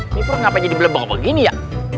ini pun kenapa jadi melepok begini ya